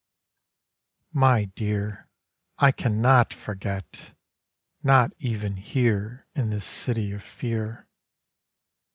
My dear, I cannot forget! Not even here In this City of Fear.